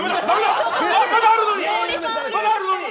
まだあるのに。